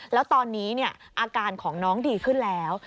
แล้วตอนนี้อาการของน้องดีขึ้นแล้ว